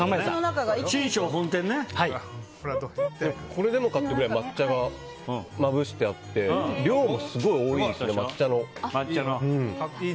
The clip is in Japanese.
これでもかってくらい抹茶がまぶしてあって抹茶の量もすごい多いです。